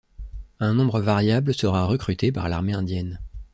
Un nombre variable sera recruté par l'armée indienne.